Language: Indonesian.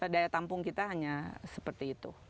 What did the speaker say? daya tampung kita hanya seperti itu